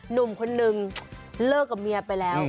หนุ่มคนนึงเลิกกับเมียไปแล้ว